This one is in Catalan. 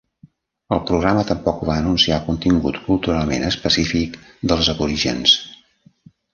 El programa tampoc va anunciar contingut culturalment específic dels aborígens.